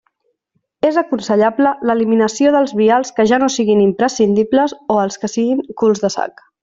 És aconsellable l'eliminació dels vials que ja no siguin imprescindibles o els que siguin culs de sac.